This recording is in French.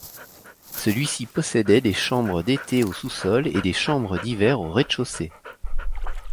Celui-ci possédait des chambres d’été au sous-sol et des chambres d’hiver au rez-de-chaussée.